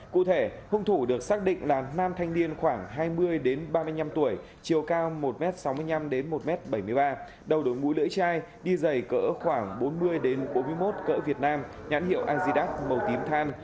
cụ thể hung thủ được xác định là nam thanh niên khoảng hai mươi ba mươi năm tuổi chiều cao một m sáu mươi năm một m bảy mươi ba đầu đối mũ lưỡi chai đi dày cỡ khoảng bốn mươi bốn mươi một cỡ việt nam nhãn hiệu jidat màu tím than